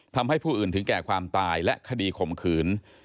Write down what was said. ทำให้ผู้อื่นถึงแก่ความตายและคดีข่มขืน